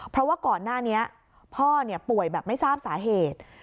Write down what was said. เพราะว่าก่อนหน้านี้พ่อป่วยแบบไม่ทราบสาเหตุ